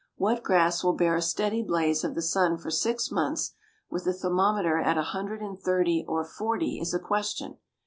What grass will bear a steady blaze of the sun for six months, with the thermometer at a hundred and thirty or forty, is a question.